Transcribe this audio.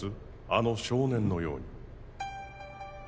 あの少年のように。